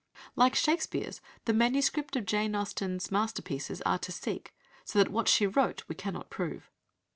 Like Shakespeare's, the MSS. of Jane Austen's masterpieces are to seek, so that what she wrote we cannot prove.